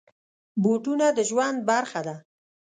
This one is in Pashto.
بوټونه د ژوند برخه ده.